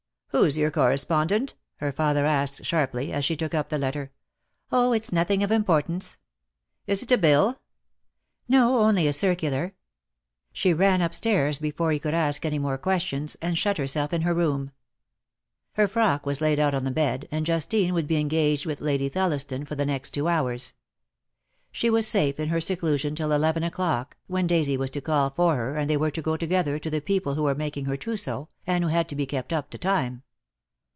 "Who's your correspondent?" her father asked sharply, as she took up the letter. "Oh, it's nothing of importance." "Is it a bill?" "No; only a circular." She ran upstairs before he could ask any more questions, and shut herself in her room. DEAD LOVE HAS CHAINS. ..245 ■ Fler frock was laid out on the bed, and Justine would be engaged with Lady Thelliston for the next two hours. She was safe in her seclusion till eleven o'clock, when Daisy was to call for her, and they were to go together to the people who were making her trousseau, and who had to be kept up to time.